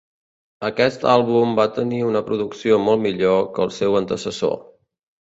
Aquest àlbum va tenir una producció molt millor que el seu antecessor.